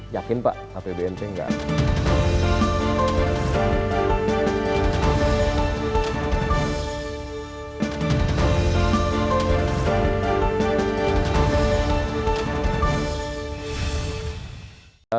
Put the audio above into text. yakin pak apbnp enggak ada